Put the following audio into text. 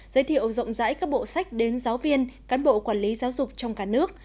giới thiệu rộng rãi các bộ sách đến giáo viên cán bộ quản lý giáo dục trong cả nước